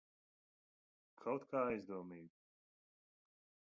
Kaut kā aizdomīgi.